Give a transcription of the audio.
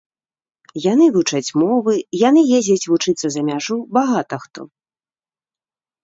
Яны вучаць мовы, яны ездзяць вучыцца за мяжу, багата хто.